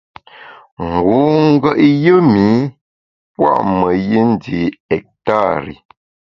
Ngu ngùet yùm ’i pua’ meyi ndi ektari.